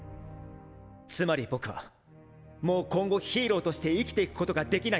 つまり僕はもう今後ヒーローとして生きていくことができないんです。